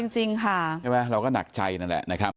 ใช่ไหมเราก็หนักใจนั่นแหละ